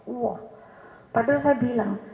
wah padahal saya bilang